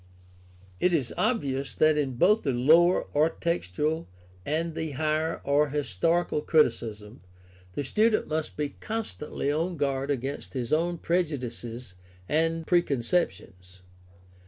It is obvious that in both the lower or textual and the higher or historical criticism the student must be constantly on guard against his own prejudices and preconceptions.